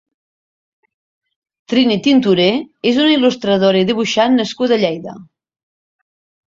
Trini Tinturé és una il·lustradora i dibuixant nascuda a Lleida.